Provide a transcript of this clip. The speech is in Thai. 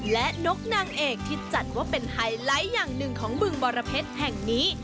และนกนางเอกที่จัดว่าเป็นไฮไลท์อย่างหนึ่งของบึงบรเพชรแห่งนี้